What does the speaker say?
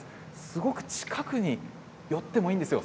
すごく近くに寄ってもいいんですよ